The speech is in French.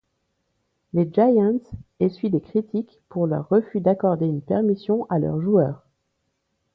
Les Giants essuient des critiques pour leur refus d'accorder une permission à leur joueur.